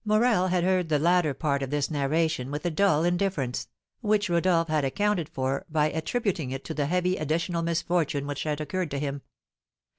Morel had heard the latter part of this narration with a dull indifference, which Rodolph had accounted for by attributing it to the heavy additional misfortune which had occurred to him.